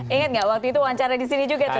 ingat nggak waktu itu wawancara disini juga tuh